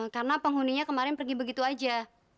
karena penghuninya kemarin pergi begitu aja